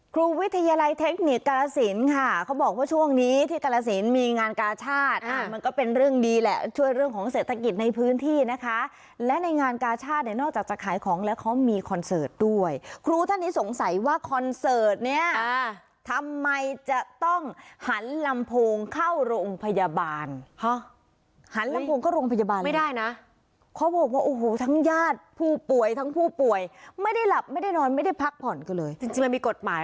ครูวิทยาลัยเทคนิคกาลสินค่ะเขาบอกว่าช่วงนี้ที่กาลสินมีงานกาชาติมันก็เป็นเรื่องดีแหละช่วยเรื่องของเศรษฐกิจในพื้นที่นะคะและในงานกาชาติเนี่ยนอกจากจะขายของแล้วเขามีคอนเสิร์ตด้วยครูท่านนี้สงสัยว่าคอนเสิร์ตเนี่ยทำไมจะต้องหันลำโพงเข้ารงพยาบาลหันลำโพงเข้ารงพยาบาลไม่ได้นะเขาบอกว่าโอ้